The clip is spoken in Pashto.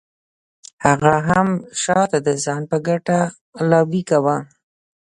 هغې هم شاته د ځان په ګټه لابي کاوه.